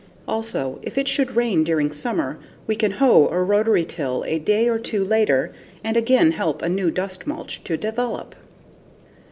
Also, if it should rain during summer, we can hoe or rotary till a day or two later and again help a new dust mulch to develop.